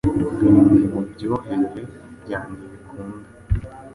Birindwi muryohereye byanjye bikunda